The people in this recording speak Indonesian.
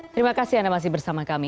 terima kasih anda masih bersama kami